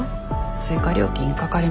追加料金かかりますが。